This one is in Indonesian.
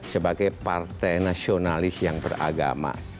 sebagai partai nasionalis yang beragama